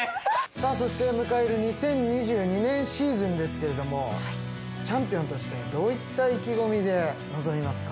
さあそして迎える２０２２年シーズンですけれどもチャンピオンとしてどういった意気込みで臨みますか？